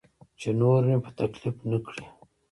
چې نور مې په تکلیف نه کړي.